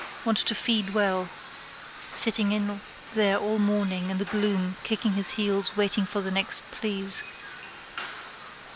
Want to feed well, sitting in there all the morning in the gloom kicking his heels waiting for the next please.